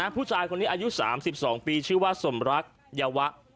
ผู้ชายคนนี้อายุ๓๒ปีชื่อว่าสมรักยาวะ